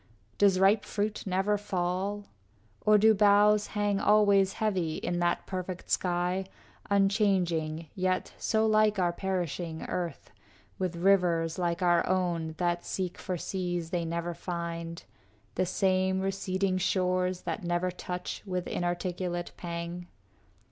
Does ripe fruit never fall? Or do the boughs Hang always heavy in that perfect sky, Unchanging, yet so like our perishing earth, With rivers like our own that seek for seas They never find, the same receding shores That never touch with inarticulate pang?